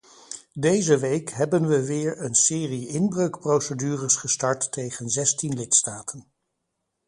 Deze week hebben we weer een serie inbreukprocedures gestart tegen zestien lidstaten.